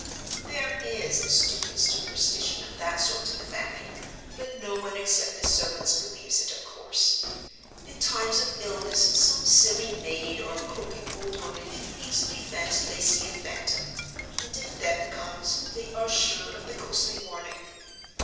"There is a stupid superstition of that sort in the family, but no one except the servants believes it, of course. In times of illness some silly maid or croaking old woman can easily fancy they see a phantom, and, if death comes, they are sure of the ghostly warning.